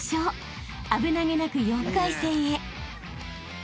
［危なげなく４回戦へ］